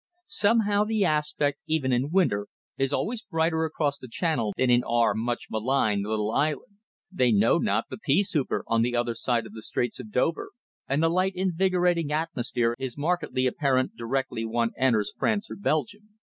Somehow the aspect, even in winter, is always brighter across the channel than in our much maligned little island. They know not the "pea souper" on the other side of the Straits of Dover, and the light, invigorating atmosphere is markedly apparent directly one enters France or Belgium.